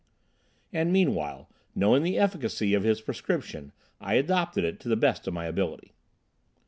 And meanwhile, knowing the efficacy of his prescription, I adopted it to the best of my ability.